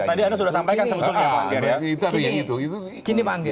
yang tadi anda sudah sampaikan semestinya pak anggir